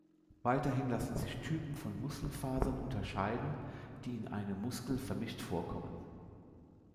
Weiterhin lassen sich Typen von Muskelfasern unterscheiden, die in einem Muskel vermischt vorkommen.